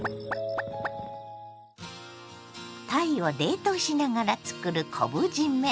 たいを冷凍しながらつくる昆布じめ。